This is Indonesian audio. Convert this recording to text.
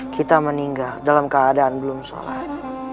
kita meninggal dalam keadaan belum sholat